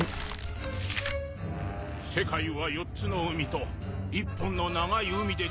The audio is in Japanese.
「世界は４つの海と１本の長い海でできている」